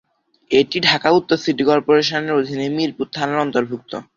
এটি ঢাকা উত্তর সিটি কর্পোরেশনের অধীনে মিরপুর থানার অন্তর্ভুক্ত।